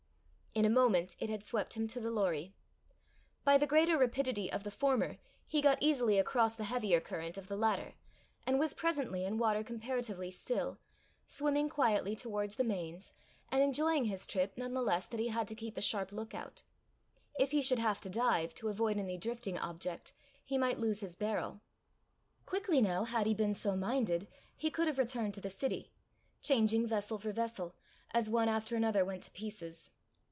In a moment it had swept him to the Lorrie. By the greater rapidity of the former he got easily across the heavier current of the latter, and was presently in water comparatively still, swimming quietly towards the Mains, and enjoying his trip none the less that he had to keep a sharp look out: if he should have to dive to avoid any drifting object, he might lose his barrel. Quickly now, had he been so minded, he could have returned to the city changing vessel for vessel, as one after another went to pieces.